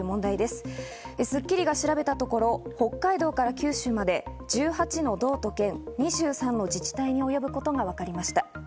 『スッキリ』が調べたところ、北海道から九州まで１８の道と県、２３の自治体に及ぶことがわかりました。